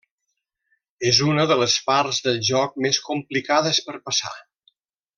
És una de les parts del joc més complicades per passar.